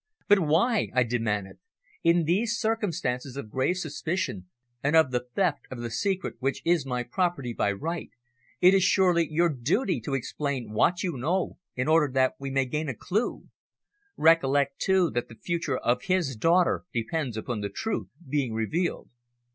"But why?" I demanded. "In these circumstances of grave suspicion, and of the theft of the secret which is my property by right, it is surely your duty to explain what you know, in order that we may gain a clue? Recollect, too, that the future of his daughter depends upon the truth being revealed."